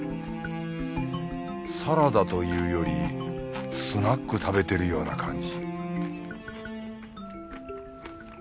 サラダというよりスナック食べてるような感じ